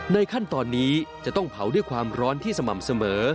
ขั้นตอนนี้จะต้องเผาด้วยความร้อนที่สม่ำเสมอ